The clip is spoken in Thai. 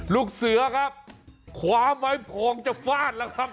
ลูกเสือครับคว้าไม้พองจะฟาดแล้วครับ